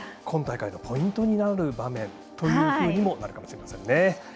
今大会のポイントになる場面ということにもなるかもしれませんね。